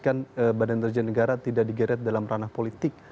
sangat intensif untuk memastikan badan terjun negara tidak digeret dalam ranah politik